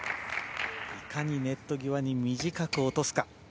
いかにネット際に短く落とすか。